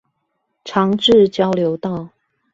長治交流道